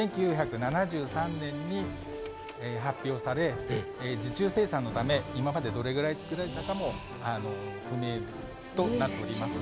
１９７３年に発表され、受注生産のため今までどれくらい作られたかも、不明となっています。